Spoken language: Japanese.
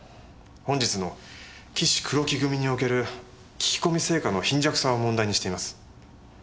本日の岸・黒木組における聞き込み成果の貧弱さを問題にしています。